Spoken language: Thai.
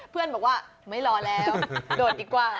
เพื่อนบอกว่าไม่รอแล้วโดดดีกว่า